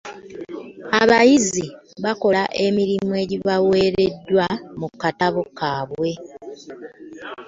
Abayizi bakola emirimu egibaweereddwa mu katabo kaabwe.